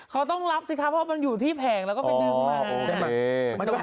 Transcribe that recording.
เขาต้องรับสิคะเพราะว่ามันอยู่ที่แผงแล้วก็ไปนึงมา